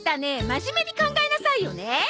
真面目に考えなさいよね！